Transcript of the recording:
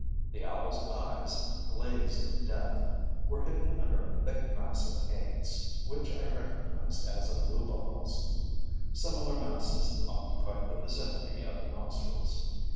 The owl's eyes, glazed in death, were hidden under a thick mass of eggs, which I recognized as a bluebottle's. Similar masses occupied the vicinity of the nostrils.